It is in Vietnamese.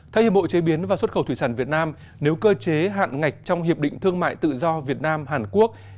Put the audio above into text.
thay hiệp bộ chế biến và xuất khẩu thủy sản việt nam nếu cơ chế hạn ngạch trong hiệp định thương mại tự do việt nam hàn quốc